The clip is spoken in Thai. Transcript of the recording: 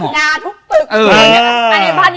สันดาทุกตึก